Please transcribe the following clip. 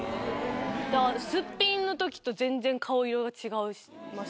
だからすっぴんのときと全然顔色が違います。